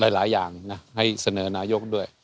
หลายอย่างนะให้เสนอนายกด้วย